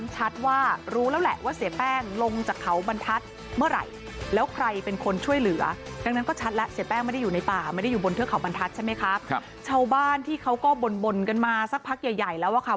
ชาวบ้านที่เขาก็บ่นกันมาสักพักใหญ่ใหญ่แล้วอะค่ะ